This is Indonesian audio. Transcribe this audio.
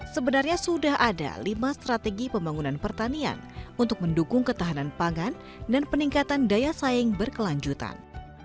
sebenarnya sudah ada lima strategi pembangunan pertanian untuk mendukung ketahanan pangan dan peningkatan daya saing berkelanjutan